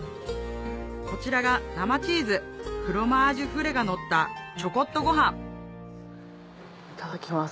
こちらが生チーズフロマージュ・フレがのったいただきます